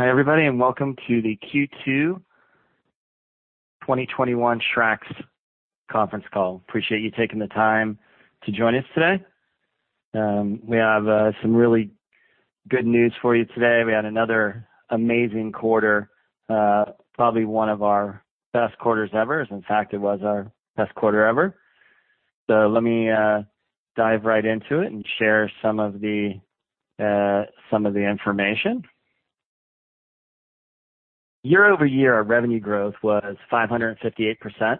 Hi, everybody, and welcome to the Q2 2021 SRAX conference call. Appreciate you taking the time to join us today. We have some really good news for you today. We had another amazing quarter, probably one of our best quarters ever. In fact, it was our best quarter ever. Let me dive right into it and share some of the information. Year-over-year, our revenue growth was 558%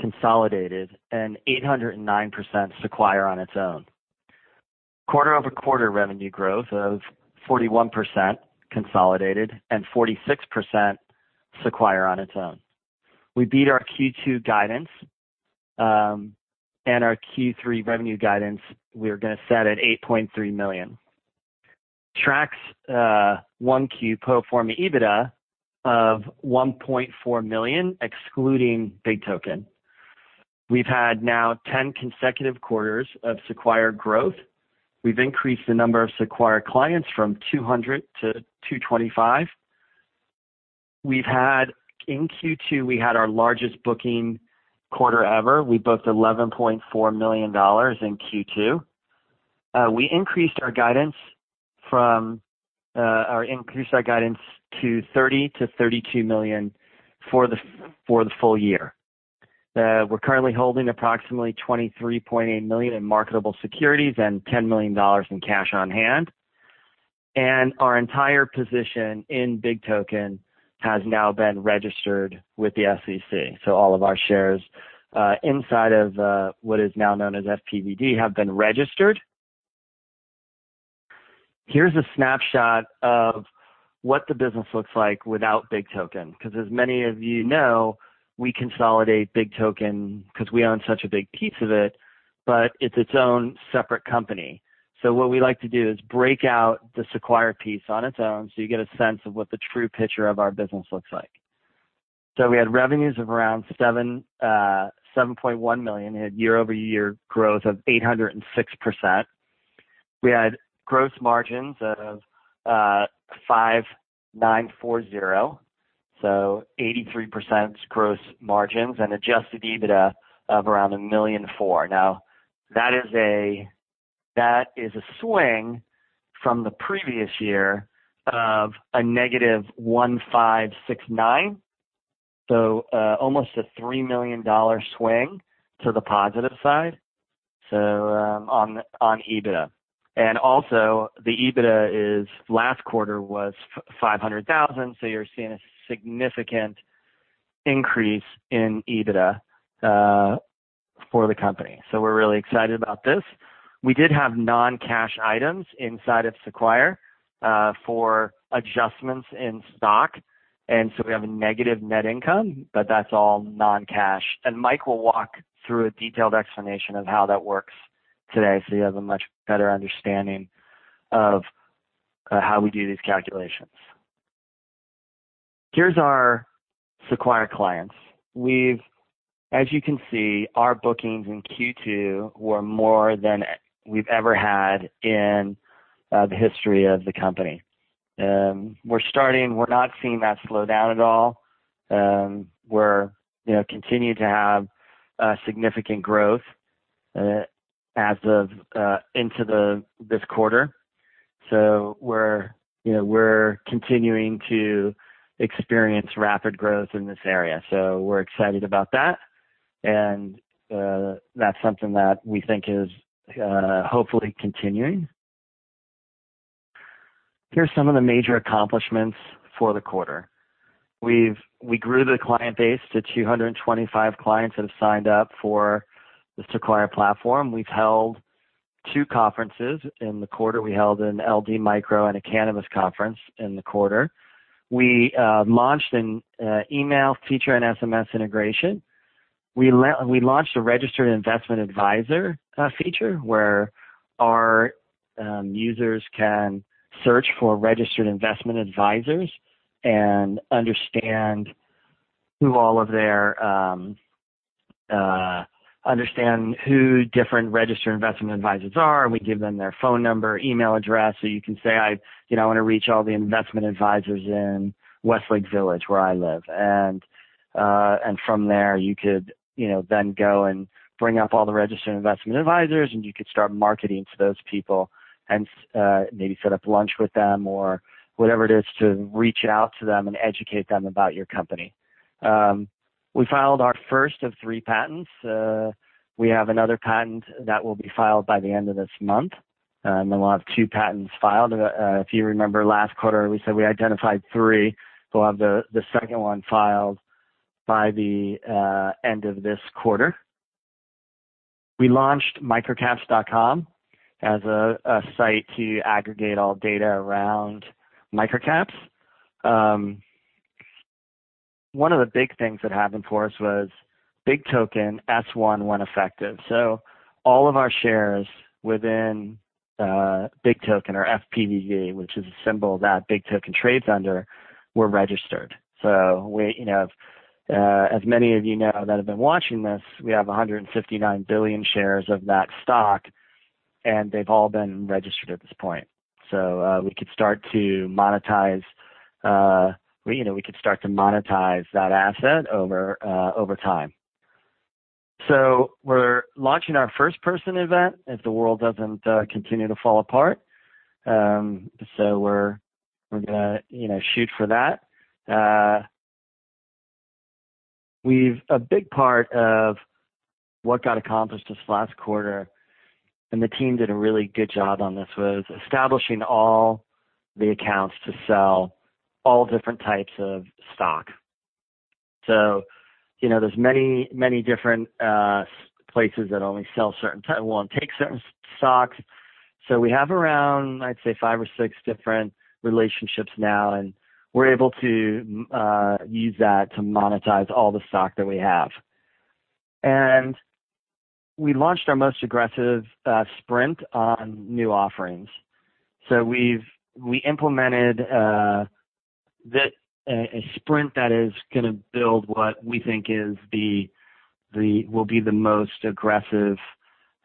consolidated and 809% Sequire on its own. Quarter-over-quarter revenue growth of 41% consolidated and 46% Sequire on its own. We beat our Q2 guidance, and our Q3 revenue guidance, we are going to set at $8.3 million. SRAX 1Q pro forma EBITDA of $1.4 million, excluding BIGtoken. We've had now 10 consecutive quarters of Sequire growth. We've increased the number of Sequire clients from 200-225. In Q2, we had our largest booking quarter ever. We booked $11.4 million in Q2. We increased our guidance to $30 million-$32 million for the full-year. We're currently holding approximately $23.8 million in marketable securities and $10 million in cash on hand. Our entire position in BIGtoken has now been registered with the SEC. All of our shares inside of what is now known as FPVD have been registered. Here's a snapshot of what the business looks like without BIGtoken, because as many of you know, we consolidate BIGtoken because we own such a big piece of it, but it's its own separate company. What we like to do is break out the Sequire piece on its own, so you get a sense of what the true picture of our business looks like. We had revenues of around $7.1 million. We had year-over-year growth of 806%. We had gross margins of 5,940, so 83% gross margins, and adjusted EBITDA of around $1.4 million. That is a swing from the previous year of a negative $1,569, so almost a $3 million swing to the positive side on EBITDA. Also, the EBITDA last quarter was $500,000, so you're seeing a significant increase in EBITDA for the company. We're really excited about this. We did have non-cash items inside of Sequire for adjustments in stock. We have a negative net income, but that's all non-cash. Mike will walk through a detailed explanation of how that works today, so you have a much better understanding of how we do these calculations. Here's our Sequire clients. As you can see, our bookings in Q2 were more than we've ever had in the history of the company. We're not seeing that slow down at all. We're continuing to have significant growth into this quarter. We're continuing to experience rapid growth in this area. We're excited about that, and that's something that we think is hopefully continuing. Here's some of the major accomplishments for the quarter. We grew the client base to 225 clients that have signed up for the Sequire platform. We've held two conferences in the quarter. We held an LD Micro and a Cannabis conference in the quarter. We launched an email feature and SMS integration. We launched a registered investment advisor feature, where our users can search for registered investment advisors and understand who different registered investment advisors are. We give them their phone number, email address, so you can say, I want to reach all the investment advisors in Westlake Village, where I live. From there, you could then go and bring up all the registered investment advisors, and you could start marketing to those people and maybe set up lunch with them or whatever it is to reach out to them and educate them about your company. We filed our first of three patents. We have another patent that will be filed by the end of this month, then we'll have two patents filed. If you remember last quarter, we said we identified three. We'll have the second one filed by the end of this quarter. We launched microcaps.com as a site to aggregate all data around microcaps. One of the big things that happened for us was BIGtoken S-1 went effective. All of our shares within BIGtoken, or FPVD, which is a symbol that BIGtoken trades under, were registered. As many of you know that have been watching this, we have 159 billion shares of that stock, and they've all been registered at this point. We could start to monetize that asset over time. We're launching our first person event if the world doesn't continue to fall apart. We're going to shoot for that. A big part of what got accomplished this last quarter, and the team did a really good job on this, was establishing all the accounts to sell all different types of stock. There's many different places that only sell certain type, won't take certain stocks. We have around, I'd say, 5 or 6 different relationships now, and we're able to use that to monetize all the stock that we have. We launched our most aggressive sprint on new offerings. We implemented a sprint that is going to build what we think will be the most aggressive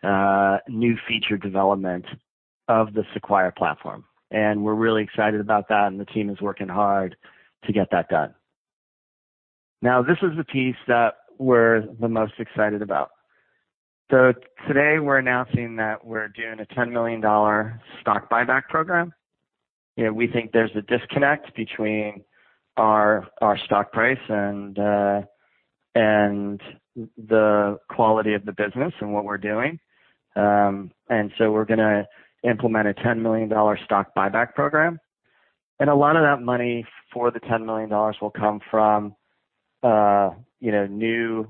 new feature development of the Sequire platform. We're really excited about that, and the team is working hard to get that done. Now, this is the piece that we're the most excited about. Today we're announcing that we're doing a $10 million stock buyback program. We think there's a disconnect between our stock price and the quality of the business and what we're doing. We're going to implement a $10 million stock buyback program, a lot of that money for the $10 million will come from new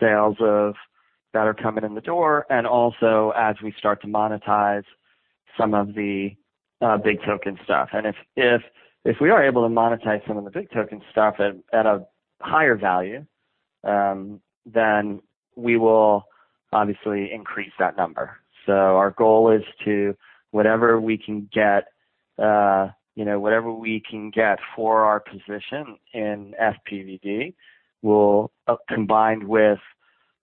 sales that are coming in the door. As we start to monetize some of the BIGtoken stuff. If we are able to monetize some of the BIGtoken stuff at a higher value, we will obviously increase that number. Our goal is to whatever we can get for our position in FPVD, combined with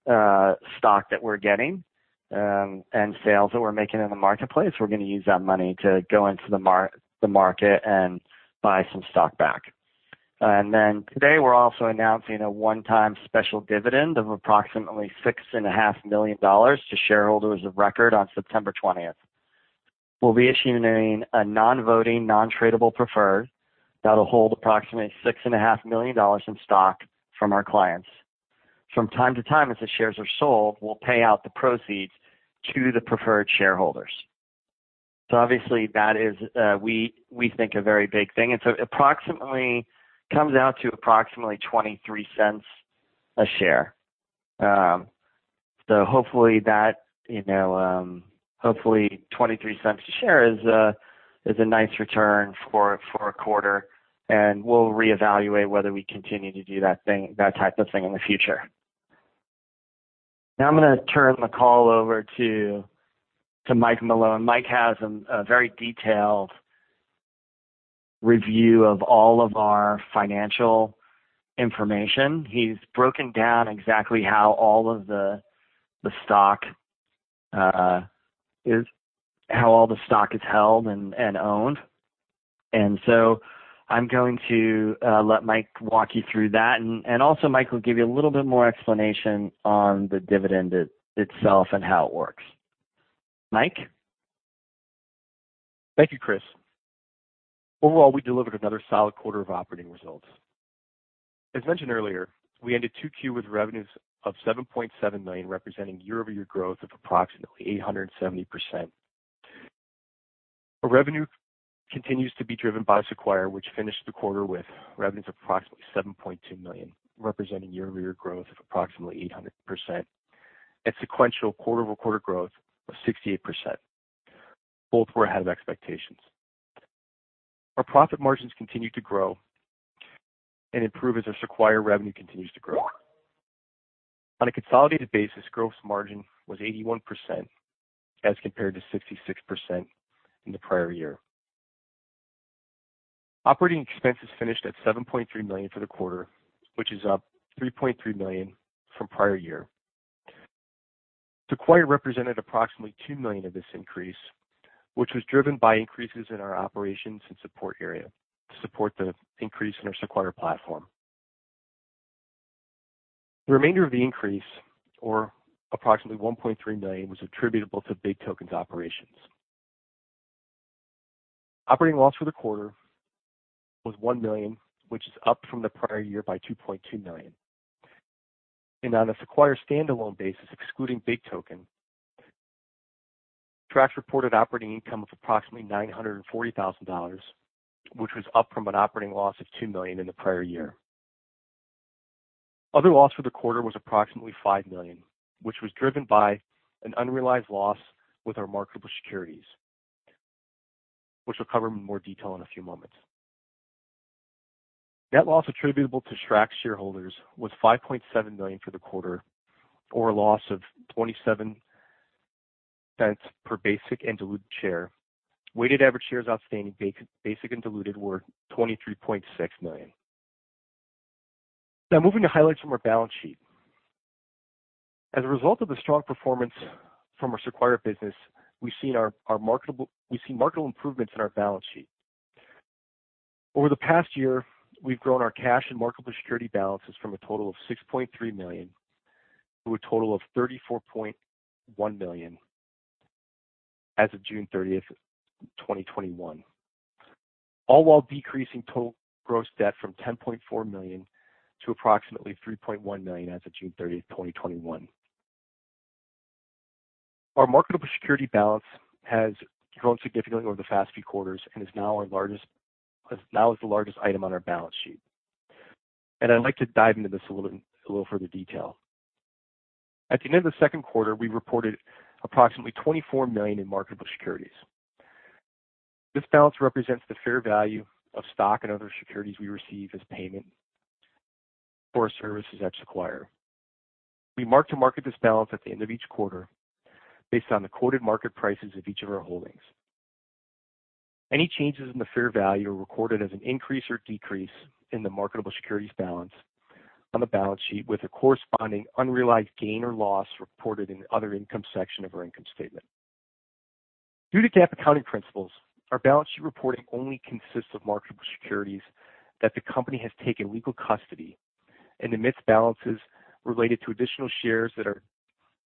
stock that we're getting and sales that we're making in the marketplace, we're going to use that money to go into the market and buy some stock back. Today we're also announcing a one-time special dividend of approximately $6.5 million to shareholders of record on September 20th. We'll be issuing a non-voting, non-tradable preferred that'll hold approximately $6.5 million in stock from our clients. From time to time, as the shares are sold, we'll pay out the proceeds to the preferred shareholders. Obviously that is, we think, a very big thing. It approximately comes out to approximately $0.23 a share. Hopefully $0.23 a share is a nice return for a quarter, and we'll reevaluate whether we continue to do that type of thing in the future. Now I'm going to turn the call over to Mike Malone. Mike has a very detailed review of all of our financial information. He's broken down exactly how all the stock is held and owned. I'm going to let Mike walk you through that. Also Mike will give you a little bit more explanation on the dividend itself and how it works. Mike? Thank you, Chris. Overall, we delivered another solid quarter of operating results. As mentioned earlier, we ended 2Q with revenues of $7.7 million, representing year-over-year growth of approximately 870%. Our revenue continues to be driven by Sequire, which finished the quarter with revenues of approximately $7.2 million, representing year-over-year growth of approximately 800% and sequential quarter-over-quarter growth of 68%. Both were ahead of expectations. Our profit margins continue to grow and improve as our Sequire revenue continues to grow. On a consolidated basis, gross margin was 81% as compared to 66% in the prior year. Operating expenses finished at $7.3 million for the quarter, which is up $3.3 million from prior year. Sequire represented approximately $2 million of this increase, which was driven by increases in our operations and support area to support the increase in our Sequire platform. The remainder of the increase, or approximately $1.3 million, was attributable to BIGtoken's operations. Operating loss for the quarter was $1 million, which is up from the prior year by $2.2 million. On a Sequire standalone basis, excluding BIGtoken, SRAX reported operating income of approximately $940,000, which was up from an operating loss of $2 million in the prior year. Other loss for the quarter was approximately $5 million, which was driven by an unrealized loss with our marketable securities, which we'll cover in more detail in a few moments. Net loss attributable to SRAX shareholders was $5.7 million for the quarter, or a loss of $0.27 per basic and diluted share. Weighted average shares outstanding, basic and diluted were 23.6 million. Now moving to highlights from our balance sheet. As a result of the strong performance from our Sequire business, we see marketable improvements in our balance sheet. Over the past year, we've grown our cash and marketable security balances from a total of $6.3 million to a total of $34.1 million as of June 30th, 2021, all while decreasing total gross debt from $10.4 million to approximately $3.1 million as of June 30th, 2021. Our marketable security balance has grown significantly over the past few quarters and now is the largest item on our balance sheet. I'd like to dive into this in a little further detail. At the end of the second quarter, we reported approximately $24 million in marketable securities. This balance represents the fair value of stock and other securities we receive as payment for services at Sequire. We mark to market this balance at the end of each quarter based on the quoted market prices of each of our holdings. Any changes in the fair value are recorded as an increase or decrease in the marketable securities balance on the balance sheet with a corresponding unrealized gain or loss reported in other income section of our income statement. Due to GAAP accounting principles, our balance sheet reporting only consists of marketable securities that the company has taken legal custody and omits balances related to additional shares that are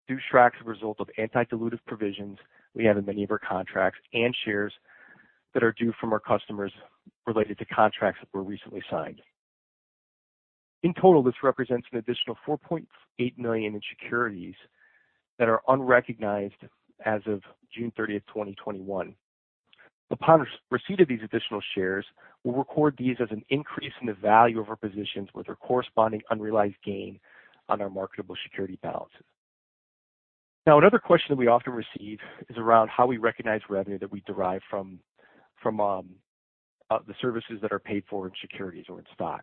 due SRAX as a result of anti-dilutive provisions we have in many of our contracts, and shares that are due from our customers related to contracts that were recently signed. In total, this represents an additional $4.8 million in securities that are unrecognized as of June 30th, 2021. Upon receipt of these additional shares, we'll record these as an increase in the value of our positions with a corresponding unrealized gain on our marketable security balances. Another question that we often receive is around how we recognize revenue that we derive from the services that are paid for in securities or in stock.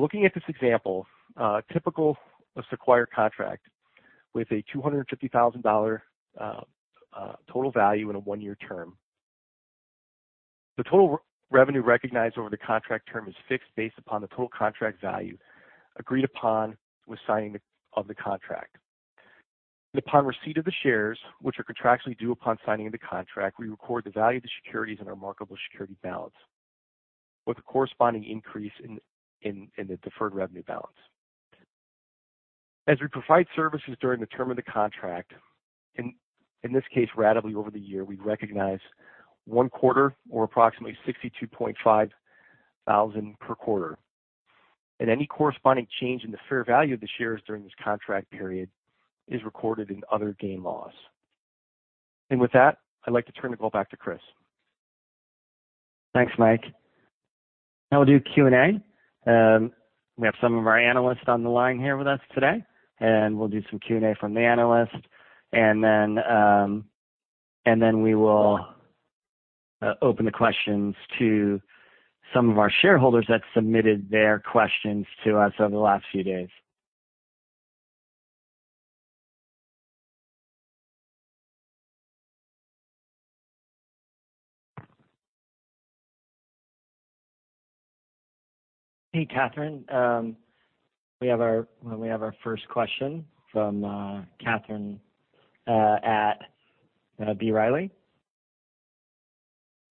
Looking at this example, a typical Sequire contract with a $250,000 total value and a one-year term. The total revenue recognized over the contract term is fixed based upon the total contract value agreed upon with signing of the contract. Upon receipt of the shares, which are contractually due upon signing of the contract, we record the value of the securities in our marketable security balance with a corresponding increase in the deferred revenue balance. As we provide services during the term of the contract, in this case, ratably over the year, we recognize one quarter or approximately $62.5 thousand per quarter. Any corresponding change in the fair value of the shares during this contract period is recorded in other gain loss. With that, I'd like to turn the call back to Chris. Thanks, Mike. Now we'll do Q&A. We have some of our analysts on the line here with us today, and we'll do some Q&A from the analysts, and then we will open the questions to some of our shareholders that submitted their questions to us over the last few days. Hey, Catherine. We have our first question from Katherine at B. Riley.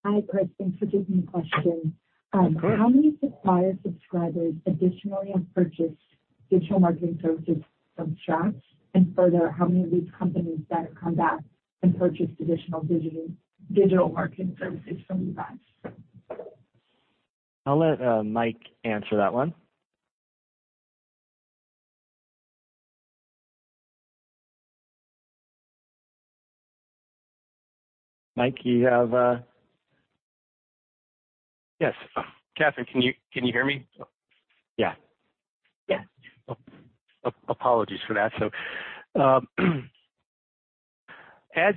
Hi, Chris. Thanks for taking the question. Of course. How many Sequire subscribers additionally have purchased digital marketing services from SRAX? Further, how many of these companies that have come back and purchased additional digital marketing services from you guys? I'll let Mike answer that one. Mike, you have. Yes. Catherine, can you hear me? Yeah. Yeah. Apologies for that. As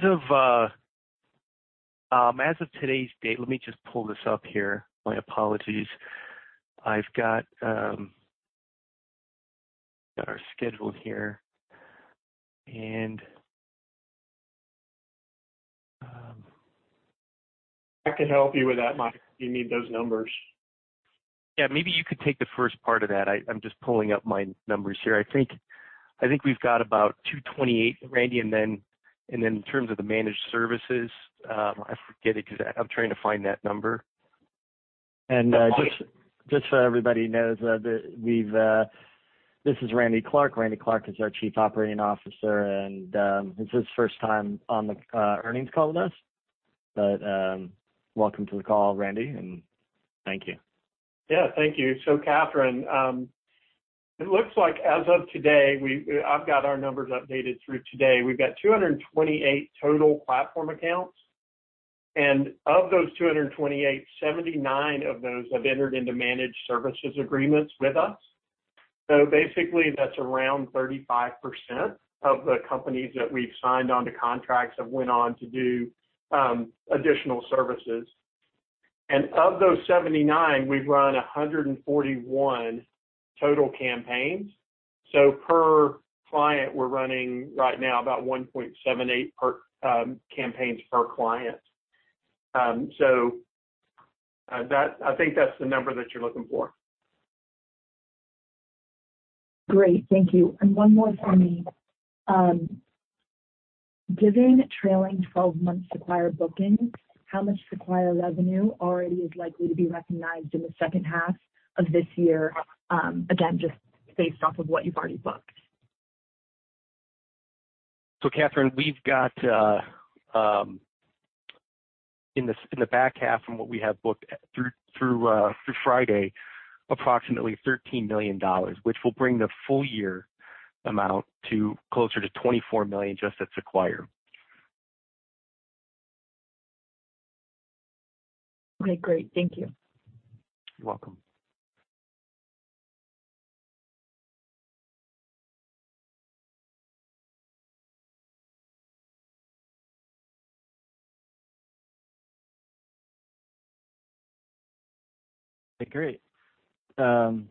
of today's date, let me just pull this up here. My apologies. I've got our schedule here. I can help you with that, Mike, if you need those numbers. Yeah, maybe you could take the first part of that. I'm just pulling up my numbers here. I think we've got about 228, Randy. In terms of the managed services, I forget it because I'm trying to find that number. Just so everybody knows, this is Randy Clark. Randy Clark is our Chief Operating Officer, and it's his first time on the earnings call with us. Welcome to the call, Randy, and thank you. Yeah, thank you. Catherine, it looks like as of today, I've got our numbers updated through today. We've got 228 total platform accounts. Of those 228, 79 of those have entered into managed services agreements with us. Basically, that's around 35% of the companies that we've signed onto contracts have went on to do additional services. Of those 79, we've run 141 total campaigns. Per client, we're running right now about 1.78 campaigns per client. I think that's the number that you're looking for. Great. Thank you. One more from me. Given trailing 12 months Sequire bookings, how much Sequire revenue already is likely to be recognized in the second half of this year? Again, just based off of what you've already booked. Catherine, we've got, in the back half from what we have booked through Friday, approximately $13 million, which will bring the full-year amount to closer to $24 million just at SRAX. Okay, great. Thank you. You're welcome. Okay, great. Let's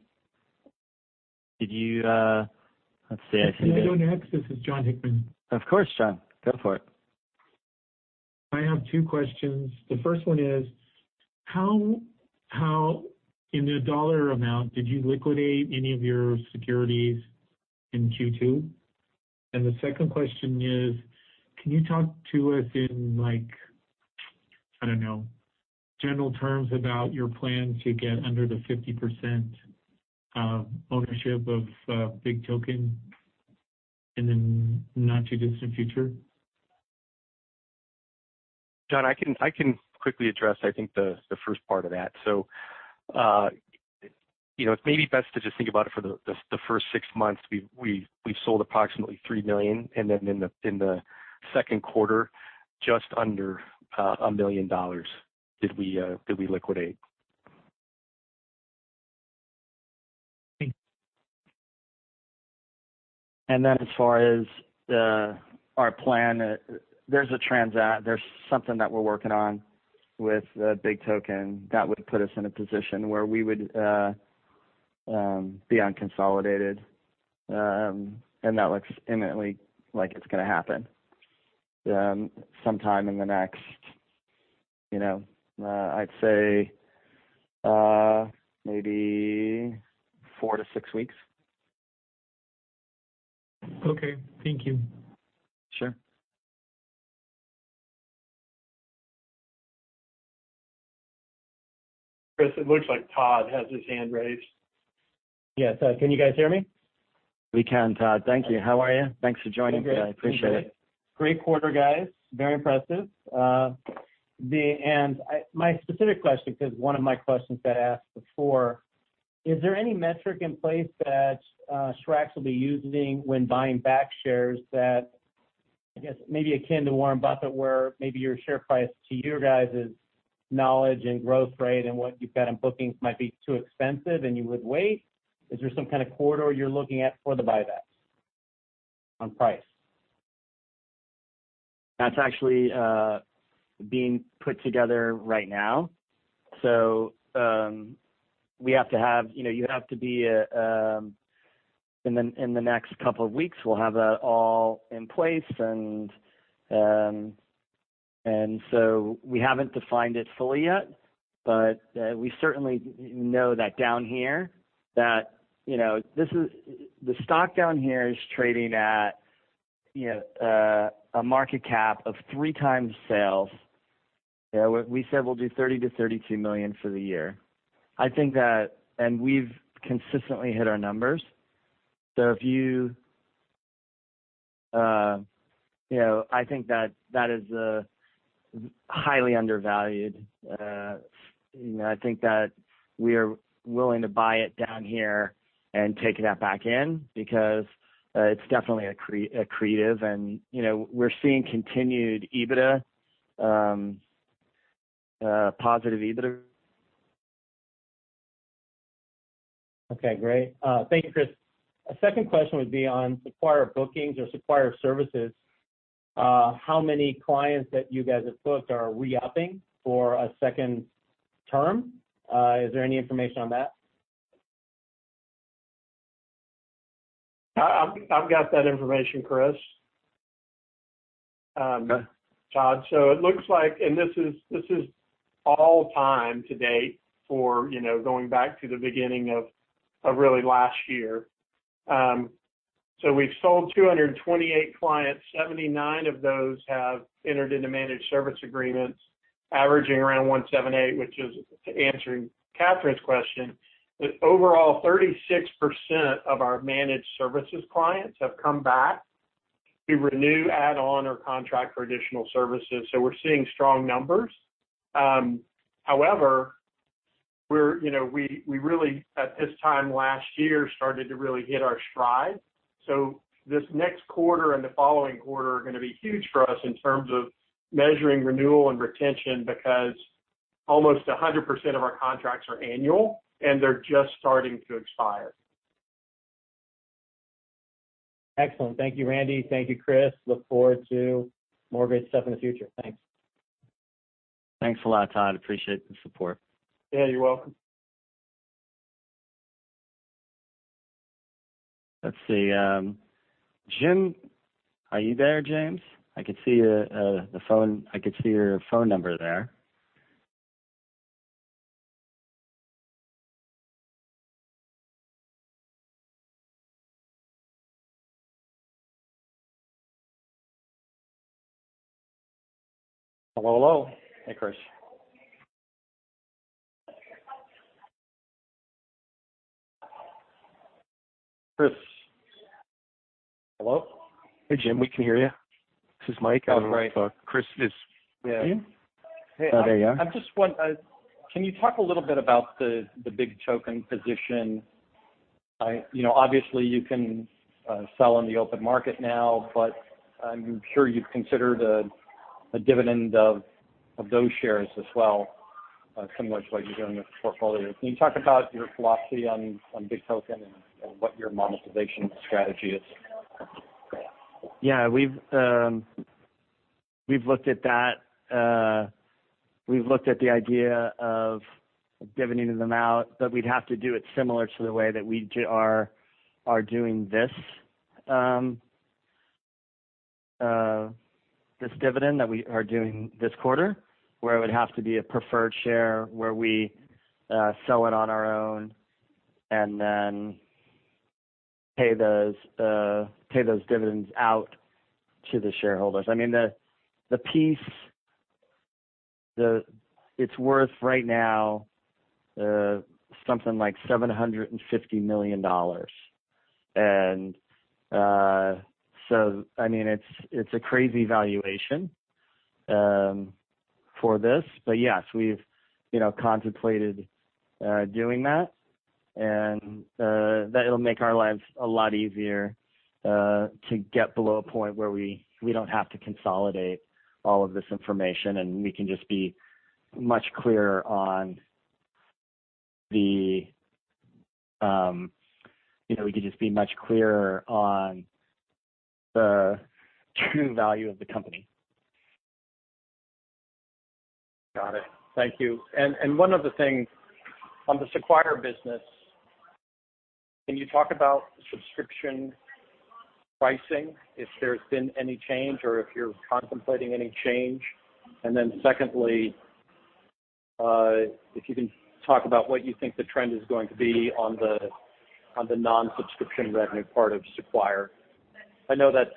see. Can I go next? This is Jon Hickman. Of course, Jon. Go for it. I have two questions. The first one is, how in the dollar amount did you liquidate any of your securities in Q2? The second question is, can you talk to us in, I don't know, general terms about your plan to get under the 50% ownership of BIGtoken in the not too distant future? Jon, I can quickly address I think the first part of that. It's maybe best to just think about it for the first six months, we've sold approximately $3 million, and then in the second quarter, just under $1 million did we liquidate. Thanks. As far as our plan, there's something that we're working on with BIGtoken that would put us in a position where we would be unconsolidated. That looks imminently like it's going to happen sometime in the next, I'd say, maybe four to six weeks. Okay. Thank you. Sure. Chris, it looks like Todd has his hand raised. Yes. Can you guys hear me? We can, Todd. Thank you. How are you? Thanks for joining today. I'm good. Appreciate it. Great quarter, guys. Very impressive. My specific question, because one of my questions got asked before, is there any metric in place that SRAX will be using when buying back shares that, I guess maybe akin to Warren Buffett, where maybe your share price to your guys' knowledge and growth rate and what you've got in bookings might be too expensive and you would wait? Is there some kind of corridor you're looking at for the buybacks on price? That's actually being put together right now. In the next couple of weeks, we'll have that all in place. We haven't defined it fully yet, but we certainly know that down here, the stock down here is trading at a market cap of 3x sales. We said we'll do $30 million-$32 million for the year. We've consistently hit our numbers. I think that is highly undervalued. I think that we are willing to buy it down here and take that back in because it's definitely accretive, and we're seeing continued positive EBITDA. Okay, great. Thank you, Chris. A second question would be on Sequire bookings or Sequire services. How many clients that you guys have booked are re-upping for a second term? Is there any information on that? I've got that information, Chris. Okay. Todd. It looks like this is all time to date for going back to the beginning of really last year. We've sold 228 clients, 79 of those have entered into managed service agreements averaging around $178, which is answering Catherine's question, overall, 36% of our managed services clients have come back to renew, add on, or contract for additional services. We're seeing strong numbers. However, we really at this time last year, started to really hit our stride. This next quarter and the following quarter are going to be huge for us in terms of measuring renewal and retention because almost 100% of our contracts are annual, they're just starting to expire. Excellent. Thank you, Randy. Thank you, Chris. Look forward to more great stuff in the future. Thanks. Thanks a lot, Todd. Appreciate the support. Yeah, you're welcome. Let's see. Jim, are you there, James? I can see your phone number there. Hello, hello. Hey, Chris. Chris. Hello? Hey, Jim, we can hear you. This is Mike. Oh, great. Chris is with you. Yeah. Can you talk a little bit about the BIGtoken position? Obviously you can sell on the open market now, but I'm sure you've considered a dividend of those shares as well, similar to what you're doing with the portfolio. Can you talk about your philosophy on BIGtoken and what your monetization strategy is? Yeah. We've looked at that. We've looked at the idea of dividending them out, but we'd have to do it similar to the way that we are doing this dividend that we are doing this quarter. Where it would have to be a preferred share, where we sell it on our own and then pay those dividends out to the shareholders. I mean, the piece, it's worth right now something like $750 million. It's a crazy valuation for this. Yes, we've contemplated doing that, and that it'll make our lives a lot easier, to get below a point where we don't have to consolidate all of this information, and we can just be much clearer on the true value of the company. Got it. Thank you. One other thing. On the Sequire business, can you talk about subscription pricing, if there's been any change or if you're contemplating any change? Secondly, if you can talk about what you think the trend is going to be on the non-subscription revenue part of Sequire. I know that's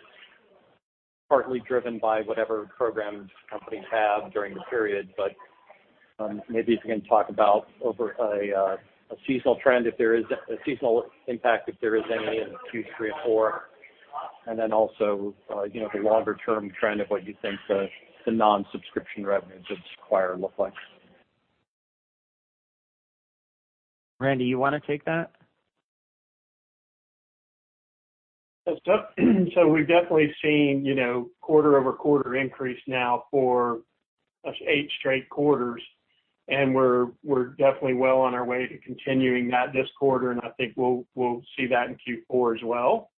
partly driven by whatever programs companies have during the period, maybe if you can talk about over a seasonal trend, if there is a seasonal impact, if there is any in Q3 and 4. Also, the longer-term trend of what you think the non-subscription revenues of Sequire look like. Randy, you want to take that? We've definitely seen quarter-over-quarter increase now for 8 straight quarters, and we're definitely well on our way to continuing that this quarter, and I think we'll see that in Q4 as well.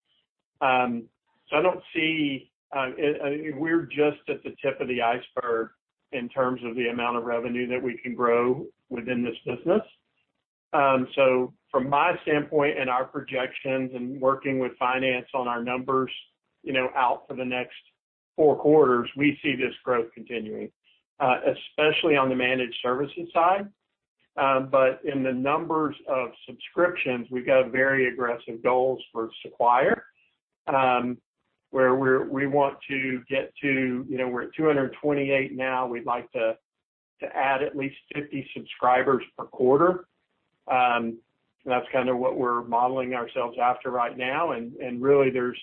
I don't see We're just at the tip of the iceberg in terms of the amount of revenue that we can grow within this business. From my standpoint and our projections and working with finance on our numbers out for the next 4 quarters, we see this growth continuing, especially on the managed services side. In the numbers of subscriptions, we've got very aggressive goals for Sequire, where we're at 228 now. We'd like to add at least 50 subscribers per quarter. That's kind of what we're modeling ourselves after right now, really there's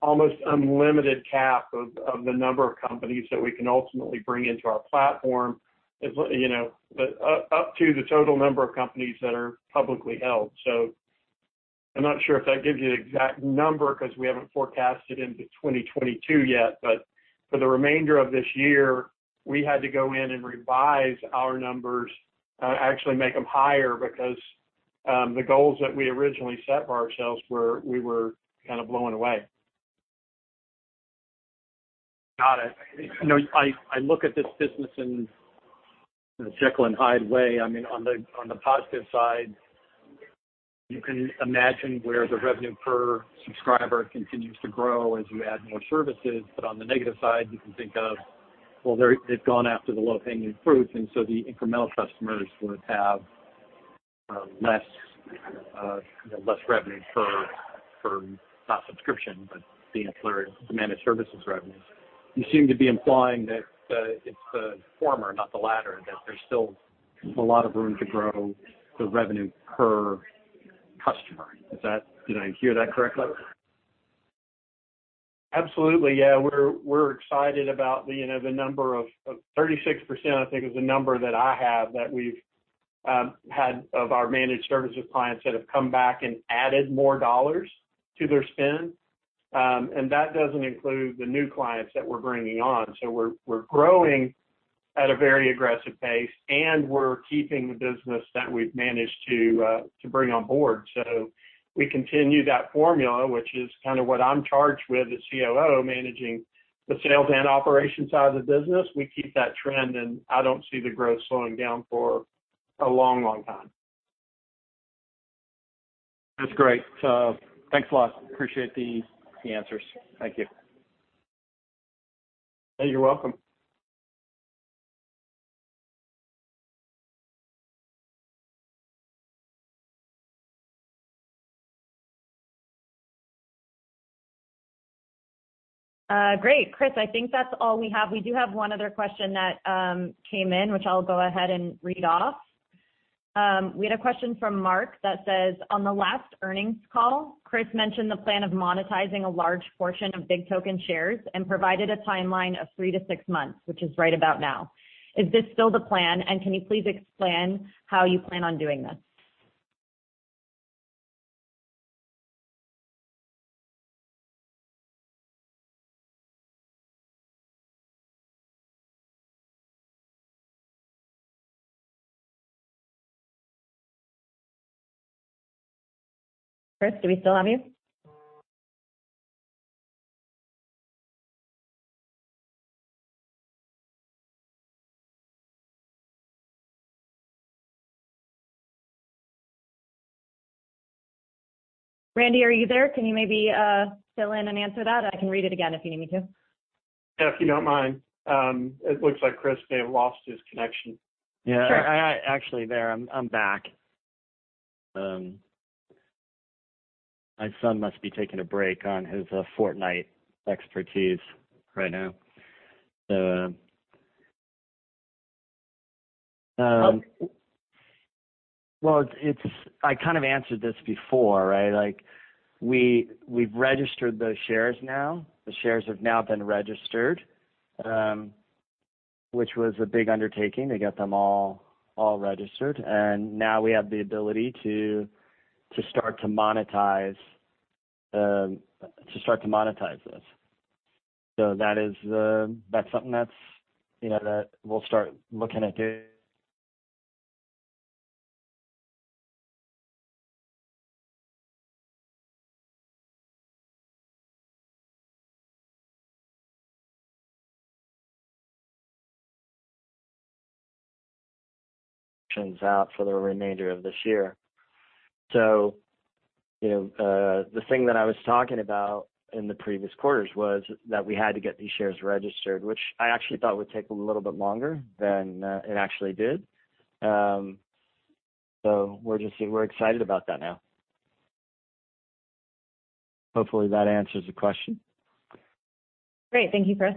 almost unlimited cap of the number of companies that we can ultimately bring into our platform up to the total number of companies that are publicly held. I'm not sure if that gives you the exact number because we haven't forecasted into 2022 yet. For the remainder of this year, we had to go in and revise our numbers, actually make them higher because the goals that we originally set for ourselves we were kind of blowing away. Got it. I look at this business in a Jekyll and Hyde way. On the positive side, you can imagine where the revenue per subscriber continues to grow as you add more services. On the negative side, you can think of, well, they've gone after the low-hanging fruits, and so the incremental customers would have less revenue for, not subscription, but the managed services revenue. You seem to be implying that it's the former, not the latter, that there's still a lot of room to grow the revenue per customer. Did I hear that correctly? Absolutely, yeah. We're excited about the number of 36% I think is the number that I have that we've had of our managed services clients that have come back and added more dollars to their spend. That doesn't include the new clients that we're bringing on. We're growing at a very aggressive pace, and we're keeping the business that we've managed to bring on board. We continue that formula, which is kind of what I'm charged with as COO, managing the sales and operations side of the business. We keep that trend, and I don't see the growth slowing down for a long time. That's great. Thanks a lot. Appreciate the answers. Thank you. Hey, you're welcome. Great. Chris, I think that's all we have. We do have one other question that came in, which I'll go ahead and read off. We had a question from Mark that says, on the last earnings call, Chris mentioned the plan of monetizing a large portion of BIGtoken shares and provided a timeline of three to sixmonths, which is right about now. Is this still the plan, and can you please explain how you plan on doing this?" Chris, do we still have you? Randy, are you there? Can you maybe fill in and answer that? I can read it again if you need me to. Yeah, if you don't mind. It looks like Chris may have lost his connection. Yeah. Sure. I'm actually there. I'm back. My son must be taking a break on his Fortnite expertise right now. Well, I kind of answered this before. We've registered those shares now. The shares have now been registered, which was a big undertaking to get them all registered. Now we have the ability to start to monetize this. That's something that we'll start looking at doing out for the remainder of this year. The thing that I was talking about in the previous quarters was that we had to get these shares registered, which I actually thought would take a little bit longer than it actually did. We're excited about that now. Hopefully, that answers the question. Great. Thank you, Chris.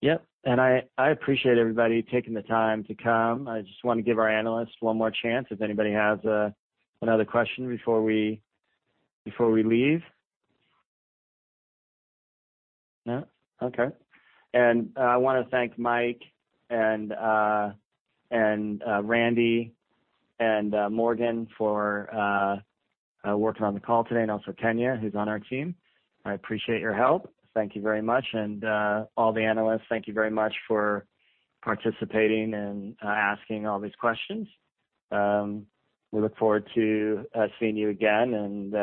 Yep. I appreciate everybody taking the time to come. I just want to give our analysts one more chance if anybody has another question before we leave. No? Okay. I want to thank Mike and Randy and Morgan for working on the call today, and also Kenya, who's on our team. I appreciate your help. Thank you very much. All the analysts, thank you very much for participating and asking all these questions. We look forward to seeing you again.